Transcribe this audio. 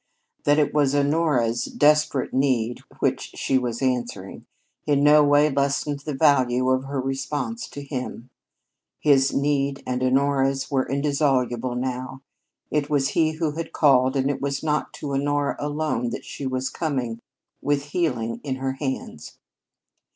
That it was Honora's desperate need which she was answering, in no way lessened the value of her response to him. His need and Honora's were indissoluble now; it was he who had called, and it was not to Honora alone that she was coming with healing in her hands.